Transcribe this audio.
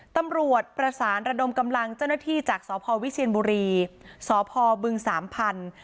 ตำรวจประสานระดมกำลังเจ้าหน้าที่จากสพวิเชียนบุรีสพบึงสามพันธุ์